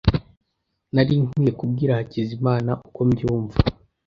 Nari nkwiye kubwira Hakizimana uko mbyumva.